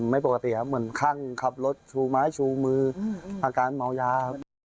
ไม่ปกติครับเหมือนคลั่งขับรถชูไม้ชูมืออาการเมายาครับ